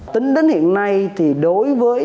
tính đến hiện nay thì đối với